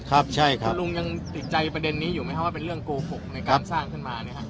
คุณลุงยังติดใจประเด็นนี้อยู่ไหมครับว่าเป็นเรื่องโกหกในการสร้างขึ้นมานะครับ